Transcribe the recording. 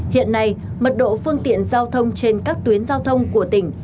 hiện nay mật độ phương tiện giao thông trên các tuyến giao thông của tỉnh